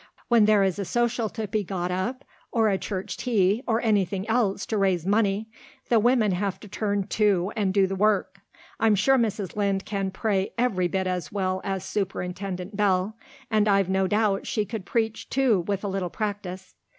When there is a social to be got up or a church tea or anything else to raise money the women have to turn to and do the work. I'm sure Mrs. Lynde can pray every bit as well as Superintendent Bell and I've no doubt she could preach too with a little practice."